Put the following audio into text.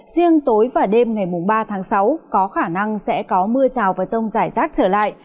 riêng tối và đêm ngày ba tháng sáu có khả năng sẽ có mưa rào và rông rải rác trở lại